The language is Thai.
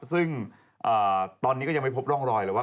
ซึ่งตอนนี้ก็ยังไม่พบร่องรอยเลยว่า